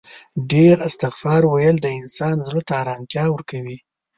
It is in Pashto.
ډیر استغفار ویل د انسان زړه ته آرامتیا ورکوي